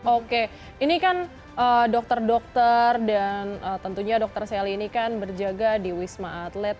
oke ini kan dokter dokter dan tentunya dokter sally ini kan berjaga di wisma atlet